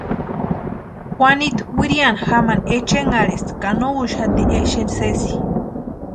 Juanitu wiriani jamani echenharhisti ka no úxati exeni sési.